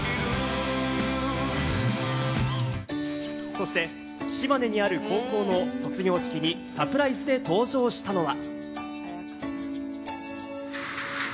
そして島根にある高校の卒業式にサプライズで登場したのは。